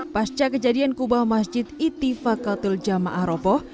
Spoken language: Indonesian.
pasca kejadian kubah masjid itifakatul jamaah roboh